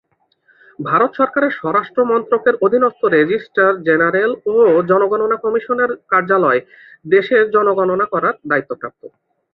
ভারত সরকারের স্বরাষ্ট্র মন্ত্রকের অধীনস্থ রেজিস্টার জেনারেল ও জনগণনা কমিশনারের কার্যালয় দেশে জনগণনা করার দায়িত্বপ্রাপ্ত।